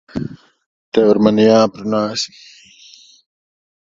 Tev ar mani jāaprunājas.